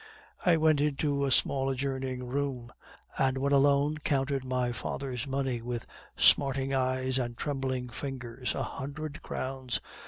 "I went into a small adjoining room, and when alone counted my father's money with smarting eyes and trembling fingers a hundred crowns!